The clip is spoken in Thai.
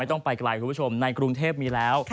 ต้องไปไกลคุณผู้ชมในกรุงเทพมีแล้ว